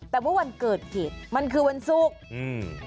แต่ว่าวันเกิดเหตุมันคือวันสูง